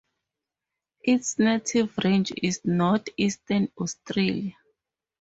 Its native range is Northeastern Australia.